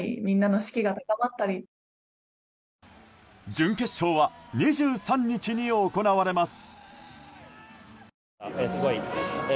準決勝は２３日に行われます。